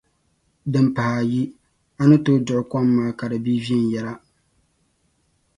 Dim pahi ayi, a ni tooi duɣi kom maa ka di bii vɛnyɛla.